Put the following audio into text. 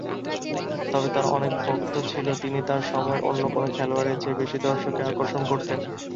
তবে তাঁর অনেক ভক্ত ছিল তিনি তাঁর সময়ের অন্য কোনও খেলোয়াড়ের চেয়ে বেশি দর্শককে আকর্ষণ করতেন।